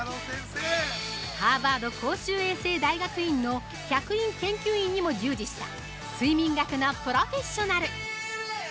ハーバード公衆衛生大学院の客員研究員にも従事した睡眠学のプロフェッショナル。